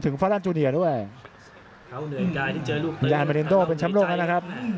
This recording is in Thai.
ถึงฟารั่นจูเนียร์ด้วยมียานมาเนรนโตเป็นช้ำโลกนะครับ